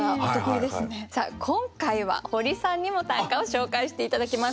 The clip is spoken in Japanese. さあ今回はホリさんにも短歌を紹介して頂きます。